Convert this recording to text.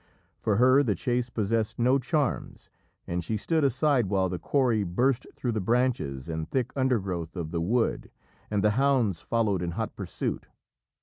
For her the chase possessed no charms, and she stood aside while the quarry burst through the branches and thick undergrowth of the wood, and the hounds followed in hot pursuit.